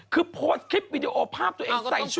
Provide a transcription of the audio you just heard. คือโพสต์คลิปวิดีโอภาพตัวเองใส่ชุด